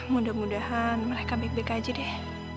mudah mudahan mereka baik baik aja deh